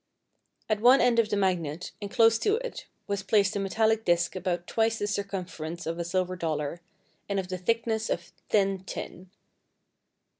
At one end of the magnet, and close to it, was placed a metallic disc about twice the circumference of a silver dollar and of the thickness of thin tin.